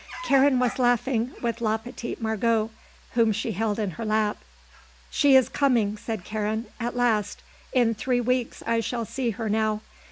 Karen was laughing with la petite Margot, whom she held in her lap. "She is coming," said Karen. "At last. In three weeks I shall see her now.